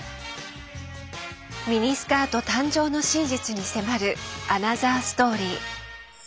ミニスカート誕生の真実に迫るアナザーストーリー。